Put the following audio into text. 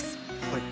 はい。